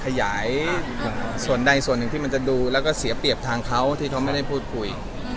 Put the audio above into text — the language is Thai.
ขยายส่วนใดส่วนหนึ่งที่มันจะดูแล้วก็เสียเปรียบทางเขาที่เขาไม่ได้พูดคุย